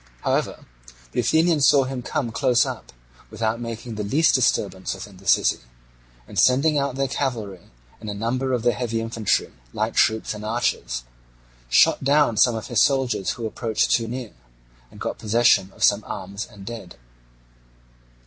However, the Athenians saw him come close up, without making the least disturbance within the city; and sending out their cavalry, and a number of their heavy infantry, light troops, and archers, shot down some of his soldiers who approached too near, and got possession of some arms and dead.